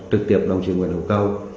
trực tiếp đồng chí nguyễn hữu câu